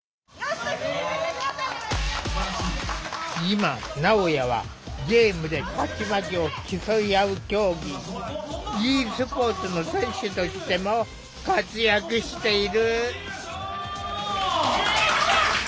今なおやはゲームで勝ち負けを競い合う競技ｅスポーツの選手としても活躍している。